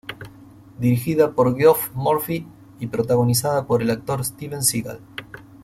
Dirigida por Geoff Murphy y protagonizada por el actor Steven Seagal.